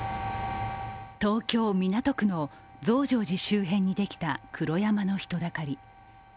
東京・港区の増上寺周辺にできた黒山の人だかり。